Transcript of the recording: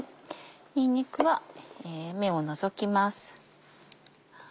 にんにくは芽を除きます。